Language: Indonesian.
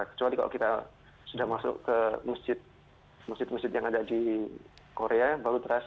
kecuali kalau kita sudah masuk ke masjid masjid yang ada di korea baru terasa